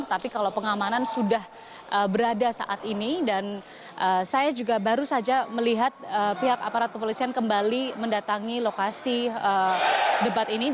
tapi kalau pengamanan sudah berada saat ini dan saya juga baru saja melihat pihak aparat kepolisian kembali mendatangi lokasi debat ini